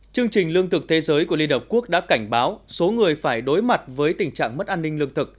chương trình lương thực thế giới của liên hợp quốc đã cảnh báo số người phải đối mặt với tình trạng mất an ninh lương thực